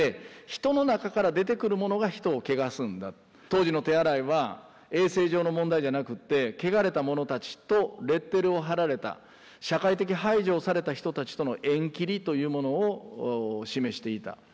当時の手洗いは衛生上の問題じゃなくってけがれた者たちとレッテルを貼られた社会的排除をされた人たちとの縁切りというものを示していた。